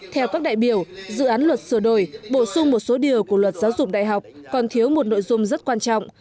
theo các đại biểu dự án luật sửa đổi bổ sung một số điều của luật giáo dục đại học còn thiếu một nội dung rất quan trọng